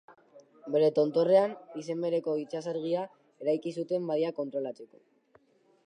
Bere tontorrean, izen bereko itsasargia eraiki zuten badia kontrolatzeko.